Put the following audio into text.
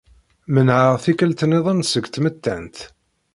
Menɛeɣ tikkelt niḍen seg tmettant.